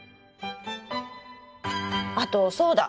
あとそうだ！